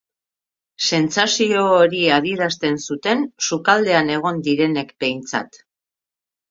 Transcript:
Sentsazio hori adierazten zuten sukaldean egon direnek behintzat.